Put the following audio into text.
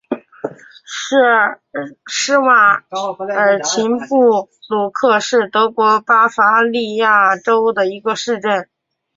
施瓦尔岑布鲁克是德国巴伐利亚州的一个市镇。